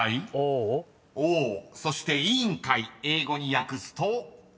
［そして委員会英語に訳すと？］